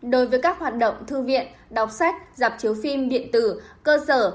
đối với các hoạt động thư viện đọc sách giảm chiếu phim điện tử cơ sở